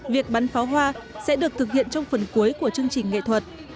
việc bắn pháo hoa sẽ được thực hiện trong phần cuối của chương trình nghệ thuật